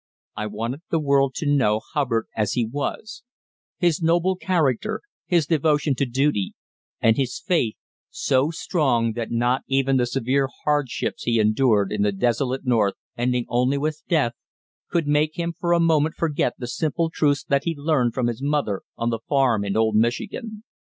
I wanted the world to know Hubbard as he was, his noble character, his devotion to duty, and his faith, so strong that not even the severe hardships he endured in the desolate north, ending only with death, could make him for a moment forget the simple truths that he learned from his mother on the farm in old Michigan.